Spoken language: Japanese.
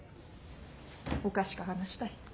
おかしか話たい。